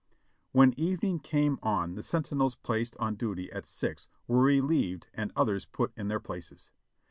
When evening came on the sentinels placed on duty at six were relieved and others put in their places.